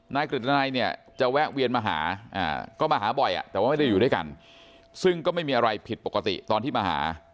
กฤตนัยเนี่ยจะแวะเวียนมาหาก็มาหาบ่อยแต่ว่าไม่ได้อยู่ด้วยกันซึ่งก็ไม่มีอะไรผิดปกติตอนที่มาหา